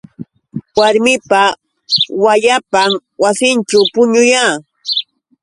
Warmipa wayapan wasinćhu puñuya.